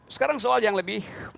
sekarang soal yang lebih